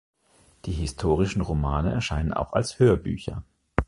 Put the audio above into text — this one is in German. Die historischen Romane erscheinen auch als Hörbücher.